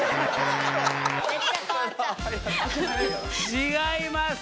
違います。